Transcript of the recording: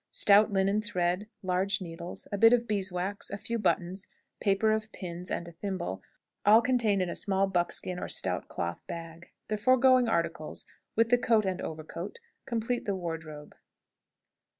Stout linen thread, large needles, a bit of beeswax, a few buttons, paper of pins, and a thimble, all contained in a small buckskin or stout cloth bag. The foregoing articles, with the coat and overcoat, complete the wardrobe.